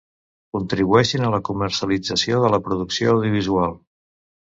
Contribueixin a la comercialització de la producció audiovisual.